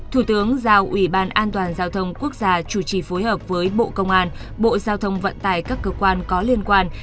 thủ tướng giao ủy ban an toàn giao thông quốc gia chủ trì phối hợp với bộ công an bộ giao thông vận tài các cơ quan có liên quan